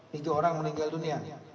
tiga orang meninggal dunia